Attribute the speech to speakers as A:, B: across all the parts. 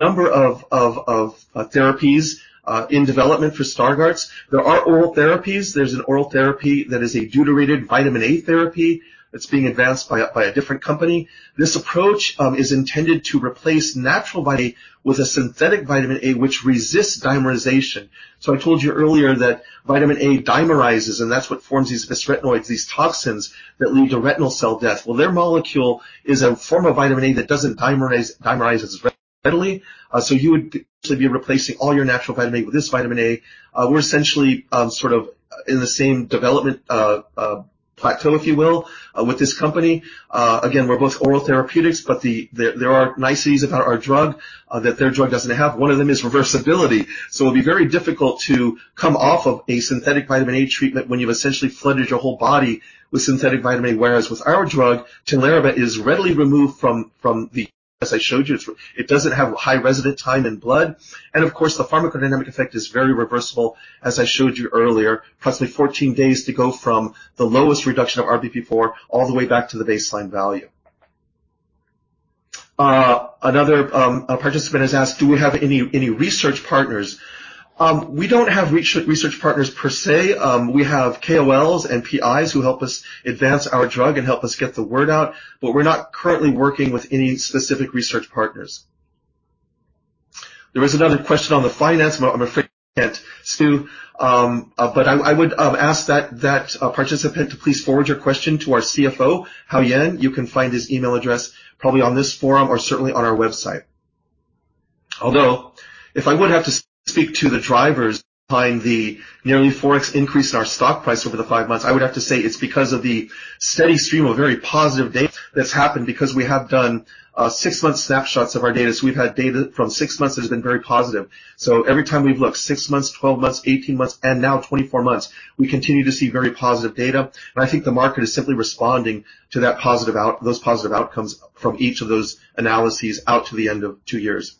A: number of therapies in development for Stargardt's. There are oral therapies. There's an oral therapy that is a deuterated vitamin A therapy that's being advanced by a different company. This approach is intended to replace natural body with a synthetic vitamin A, which resists dimerization. So I told you earlier that vitamin A dimerizes, and that's what forms these bisretinoids, these toxins that lead to retinal cell death. Well, their molecule is a form of vitamin A that doesn't dimerize, dimerizes readily. So you would actually be replacing all your natural vitamin A with this vitamin A. We're essentially sort of in the same development plateau, if you will, with this company. Again, we're both oral therapeutics, but there are niceties about our drug that their drug doesn't have. One of them is reversibility. So it'll be very difficult to come off of a synthetic vitamin A treatment when you've essentially flooded your whole body with synthetic vitamin A. Whereas with our drug, Tinlarebant is readily removed from the... As I showed you, it doesn't have a high residence time in blood, and of course, the pharmacodynamic effect is very reversible. As I showed you earlier, approximately 14 days to go from the lowest reduction of RBP4 all the way back to the baseline value. Another participant has asked, "Do we have any research partners?" We don't have research partners per se. We have KOLs and PIs who help us advance our drug and help us get the word out, but we're not currently working with any specific research partners. There is another question on the finance, but I'm afraid I can't do. But I would ask that participant to please forward your question to our CFO, Hao-Yuan. You can find his email address, probably on this forum or certainly on our website. Although, if I would have to speak to the drivers behind the nearly 4x increase in our stock price over the 5 months, I would have to say it's because of the steady stream of very positive data that's happened. Because we have done 6-month snapshots of our data. We've had data from 6 months that has been very positive. Every time we've looked, 6 months, 12 months, 18 months, and now 24 months, we continue to see very positive data. I think the market is simply responding to those positive outcomes from each of those analyses out to the end of two years.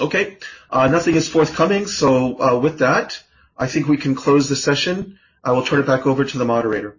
A: Okay, nothing is forthcoming. So, with that, I think we can close the session. I will turn it back over to the moderator.